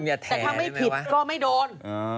แต่ถ้าไม่ผิดก็ไม่โดน